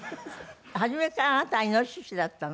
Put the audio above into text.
初めからあなたはイノシシだったの？